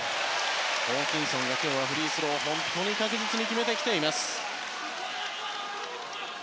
ホーキンソンが今日フリースローを確実に決めてきています。